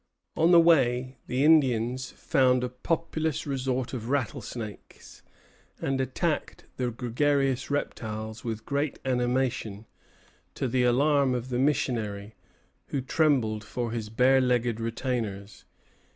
On the way, the Indians found a populous resort of rattlesnakes, and attacked the gregarious reptiles with great animation, to the alarm of the missionary, who trembled for his bare legged retainers.